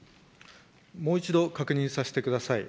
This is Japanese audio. もう一度確認させてください。